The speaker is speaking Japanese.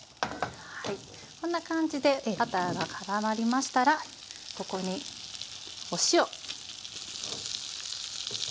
はいこんな感じでバターがからまりましたらここにお塩。